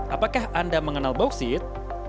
apakah anda mengenal bauksit